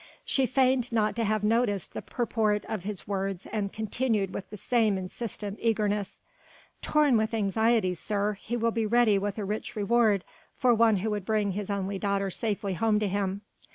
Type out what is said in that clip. She feigned not to have noticed the purport of his words and continued with the same insistent eagerness: "Torn with anxiety, sir, he will be ready with a rich reward for one who would bring his only daughter safely home to him.